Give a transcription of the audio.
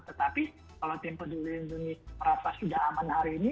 tetapi kalau tim peduli lindungi merasa sudah aman hari ini